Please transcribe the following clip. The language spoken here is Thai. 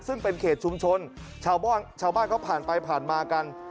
ซึ่งเป็นเขตชุมชนชาวบ้านชาวบ้านเขาผ่านไปผ่านมากัน